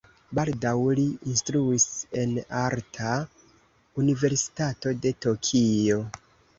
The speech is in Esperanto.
Baldaŭ li instruis en Arta Universitato de Tokio.